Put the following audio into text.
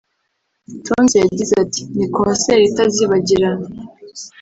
Tonzi yagize ati “Ni concert itazibagirana